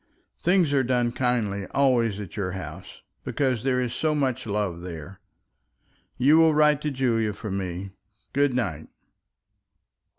Things are done kindly always at your house, because there is so much love there. You will write to Julia for me. Good night."